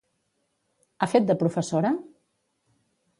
Ha fet de professora?